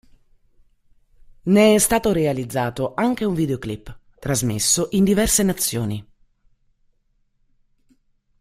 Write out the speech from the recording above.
Ne è stato realizzato anche un videoclip, trasmesso in diverse nazioni.